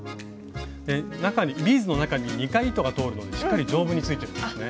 ビーズの中に２回糸が通るのでしっかり丈夫についてるんですね。